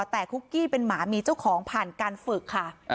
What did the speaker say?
แต่คุกกี้เป็นหมามีเจ้าของผ่านการฝึกค่ะ